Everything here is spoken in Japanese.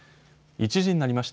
１時になりました。